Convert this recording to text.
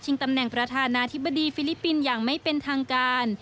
ตำแหน่งประธานาธิบดีฟิลิปปินส์อย่างไม่เป็นทางการ